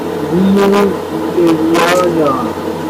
لیوبلیانا